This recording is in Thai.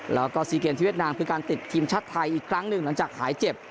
แล้วก็ซีเกมที่เวียดนามคือการติดทีมชาติไทยอีกครั้งหนึ่งหลังจากหายเจ็บ